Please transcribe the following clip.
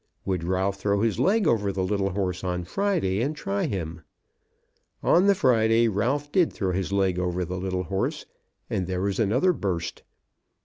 Would Ralph throw his leg over the little horse on Friday and try him? On the Friday Ralph did throw his leg over the little horse, and there was another burst.